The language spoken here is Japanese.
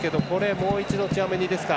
もう一度チュアメニですか。